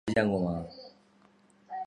产物仍然是邻或对羟基芳酮。